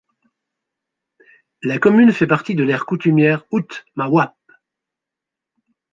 La commune fait partie de l'aire coutumière Hoot ma Waap.